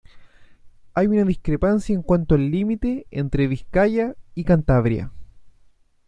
Hay una discrepancia en cuanto al límite entre Vizcaya y Cantabria.